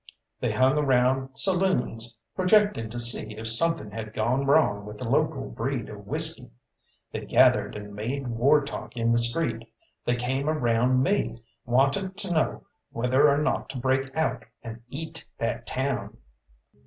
They hung around saloons, projecting to see if something had gone wrong with the local breed of whisky; they gathered and made war talk in the street; they came around me, wanting to know whether or not to break out and eat that town.